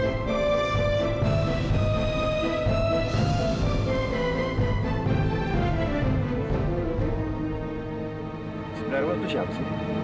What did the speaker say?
sebenernya waktu siapa sih